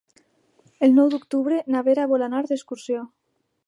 El nou d'octubre na Vera vol anar d'excursió.